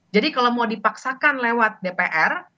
jadi kalau mau dipaksakan lewat dpr maka sebenarnya akan ada